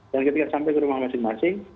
dan ketika sampai ke rumah masing masing